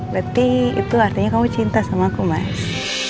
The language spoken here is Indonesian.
berarti itu artinya kamu cinta sama aku mas